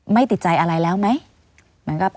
ไม่ติดใจอะไรแล้วไหม